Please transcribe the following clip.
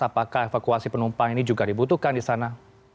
apakah evakuasi penumpang ini juga dibutuhkan di sana